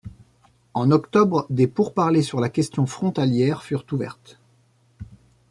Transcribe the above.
En octobre, des pourparlers sur la question frontalière furent ouvertes.